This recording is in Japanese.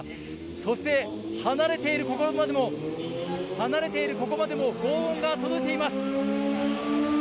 そして離れているここまでも、離れているここまでもごう音が届いています。